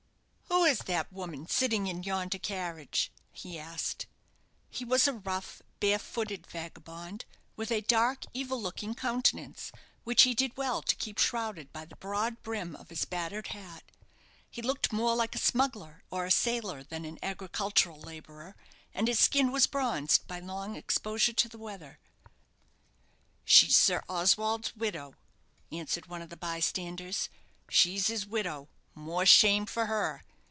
"Who is that woman sitting in yonder carriage?" he asked. He was a rough, bare footed vagabond, with a dark evil looking countenance, which he did well to keep shrouded by the broad brim of his battered hat. He looked more like a smuggler or a sailor than an agricultural labourer, and his skin was bronzed by long exposure to the weather. "She's Sir Oswald's widow," answered one of the bystanders; "she's his widow, more shame for her!